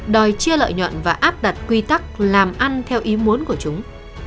đòi chia lợi nhuận và áp đặt quy tắc làm ăn theo ý muốn của chúng